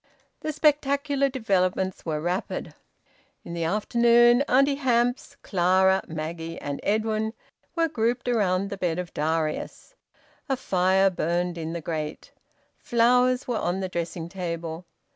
The spectacular developments were rapid. In the afternoon Auntie Hamps, Clara, Maggie, and Edwin were grouped around the bed of Darius. A fire burned in the grate; flowers were on the dressing table.